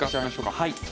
はい。